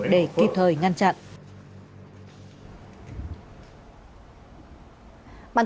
để kịp thời ngăn chặn